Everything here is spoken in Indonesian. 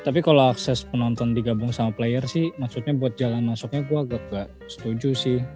tapi kalau akses penonton digabung sama player sih maksudnya buat jalan masuknya gue agak gak setuju sih